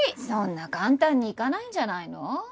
そんな簡単にいかないんじゃないの？